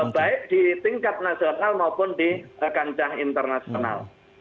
baik di tingkat nasional maupun di kancah internasional